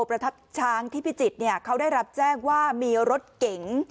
ประทับช้างที่พิจิตรเขาได้รับแจ้งว่ามีรถเก๋ง